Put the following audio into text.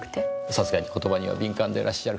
さすがに言葉には敏感でいらっしゃる。